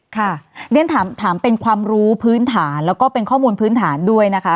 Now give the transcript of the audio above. ค่ะเรียนถามเป็นความรู้พื้นฐานแล้วก็เป็นข้อมูลพื้นฐานด้วยนะคะ